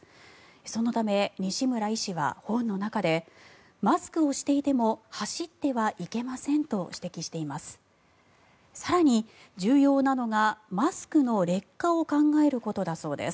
そのため、西村医師は本の中でマスクをしていても走ってはいけませんと指摘しています。